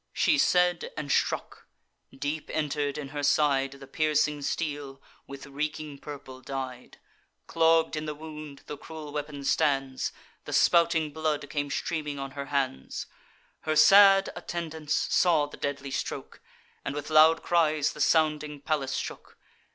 She said, and struck; deep enter'd in her side The piercing steel, with reeking purple dyed: Clogg'd in the wound the cruel weapon stands; The spouting blood came streaming on her hands. Her sad attendants saw the deadly stroke, And with loud cries the sounding palace shook.